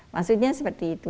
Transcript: maksudnya seperti itu